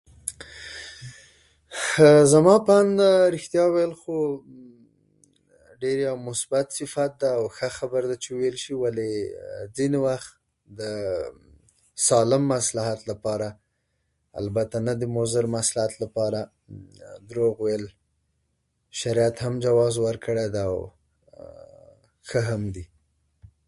زما په اند، رښتيا ويل خو ډېر يو مثبت صفت ده او ښه خبره ده چې وويل شي، ولې ځينې وخت د سالم مصلحت لپاره، البته نه دی مضر مصلحت لپاره دروغ ويل. شريعت هم ورته جواز ورکړی ده او ښه هم دی.